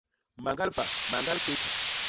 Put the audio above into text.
Mañgal pa, mañgal kék.